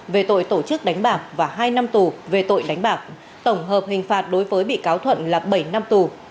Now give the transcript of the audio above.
về tội tổ chức đánh bạc và hai năm tù về tội đánh bạc tổng hợp hình phạt đối với bị cáo thuận là bảy năm tù